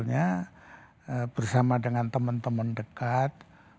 dan ini yang menyebabkan saya harus berusaha bersama dengan teman teman dekat